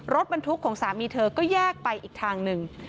รถบรรทุกของสามีเธอก็แยกไปอีกทางหนึ่ง